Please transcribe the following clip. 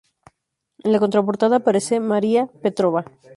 En la contraportada aparece María Petrova.